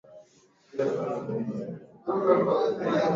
Takribani watu elfu ishirini na nane hufa kila mwaka nchini